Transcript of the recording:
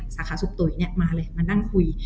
สาขาสุกตุ๋ยเนี่ยมาเลยมานั่งคุย